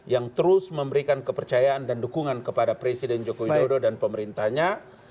yang terus memberikan kepercayaan dan dukungan kepada presiden joko widodo dan pemerintahnya